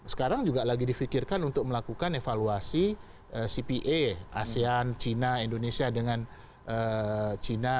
sekarang juga lagi di fikirkan untuk melakukan evaluasi cpe asean cina indonesia dengan cina